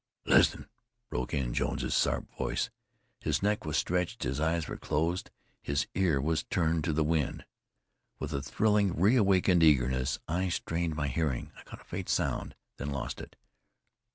"Listen!" broke in Jones's sharp voice. His neck was stretched, his eyes were closed, his ear was turned to the wind. With thrilling, reawakened eagerness, I strained my hearing. I caught a faint sound, then lost it.